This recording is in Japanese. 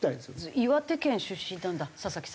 岩手県出身なんだ佐々木さん。